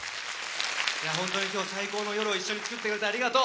本当に今日最高の夜を一緒に作ってくれてありがとう。